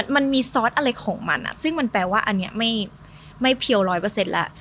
มันมีซอสอะไรของมันซึ่งมันแปลว่าอันนี้ไม่เพียว๑๐๐แล้ว